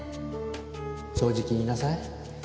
正直に言いなさい。